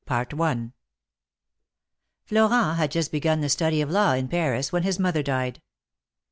F LORENT had just begun the study of law in Paris, when his mother died.